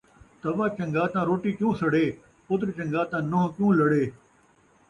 توا چنڳا تاں روٹی کیوں سڑے، پتر چنڳا تاں نونہہ کیوں لڑے